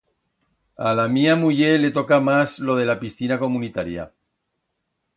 A la mía muller le toca mas lo de la piscina comunitaria.